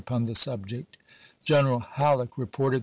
upon the subject. General Halleck reported that J!